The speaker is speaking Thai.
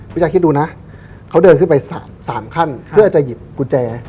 พี่แจ๊คิดดูนะเขาเดินขึ้นไป๓ขั้นเพื่อจะหยิบกุญแจ